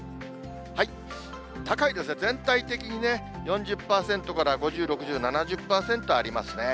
高いですね、全体的にね、４０％から５０、６０、７０％ありますね。